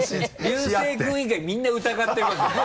龍聖君以外みんな疑ってますよね。